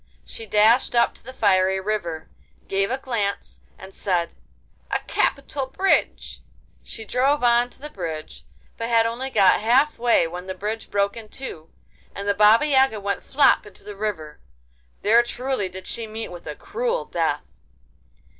She dashed up to the fiery river, gave a glance, and said, 'A capital bridge!' She drove on to the bridge, but had only got half way when the bridge broke in two, and the Baba Yaga went flop into the river. There truly did she meet with a cruel death!